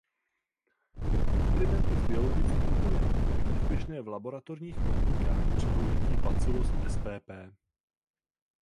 Experimenty s biologickým bojem byly úspěšné v laboratorních podmínkách při použití Bacillus spp.